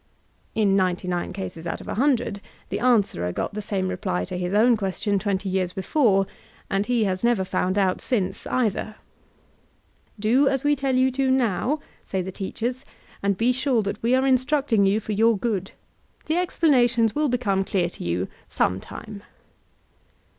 —( In ninety nine cases out of a hundred the answerer got the same reply to his own question twenty years before; and he has never found out since, either). "Do as we tell you to, now," say the teachers, ''and be sure that we are instructing you for your good. The explanations will become clear to you some time."